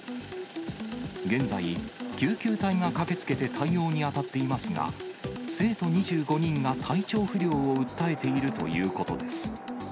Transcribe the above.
現在、救急隊が駆けつけて対応に当たっていますが、生徒２５人が体調不良を訴えているということです。